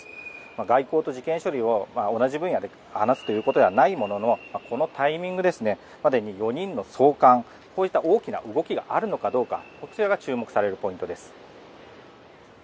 外交と事件処理を同じ分野で話すということではないもののそのタイミングまでに４人の送還という大きな動きがあるのかどうかが注目されるポイントです。